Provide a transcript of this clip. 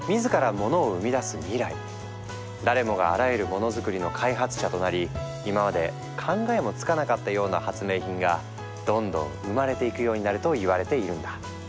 誰もがあらゆるモノづくりの開発者となり今まで考えもつかなかったような発明品がどんどん生まれていくようになるといわれているんだ。